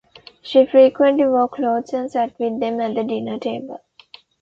She frequently wore clothes and sat with them at the dinner table.